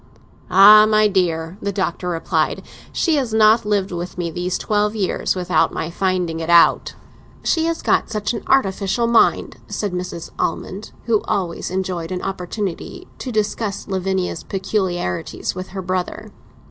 "Ah, my dear," the Doctor replied, "she has not lived with me these twelve years without my finding it out!" "She has got such an artificial mind," said Mrs. Almond, who always enjoyed an opportunity to discuss Lavinia's peculiarities with her brother.